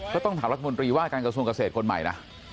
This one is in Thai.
ก็ต้องถามรัฐมนตรีว่าการกระทรวงเกษตรคนใหม่นะ